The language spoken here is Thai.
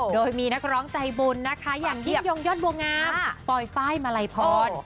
โดยมีนักร้องใจบุญอย่างยิ่งยงยอดบัวงามปลอยไฟมะไรพร